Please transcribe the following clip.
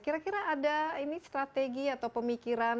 kira kira ada ini strategi atau pemikiran